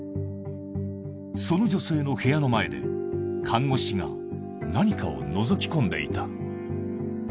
その女性の部屋の前で、看護師が何かをのぞき込んでいた。